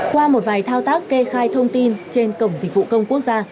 qua một vài thao tác kê khai thông tin trên cổng dịch vụ công quốc gia